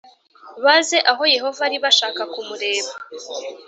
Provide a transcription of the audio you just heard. Baze aho yehova ari bashaka kumureba